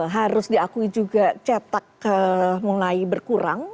harus diakui juga cetak mulai berkurang